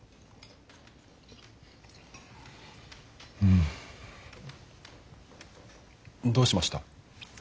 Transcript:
うん。どうしました？